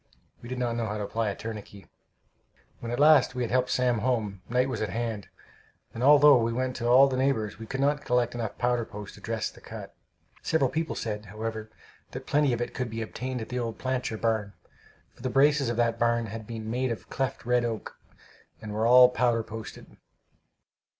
We did not know how to apply a tourniquet. When at last we had helped Sam home, night was at hand; and although we went to all the neighbors, we could not collect enough powder post to dress the cut. Several people said, however, that plenty of it could be obtained at the old Plancher barn, for the braces of that barn had been made of cleft red oak, and were "all powder posted."